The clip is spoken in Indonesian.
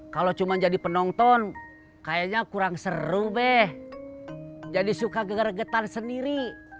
kalau cuma jadi penonton kayaknya kurang seru beh jadi suka geger getan sendiri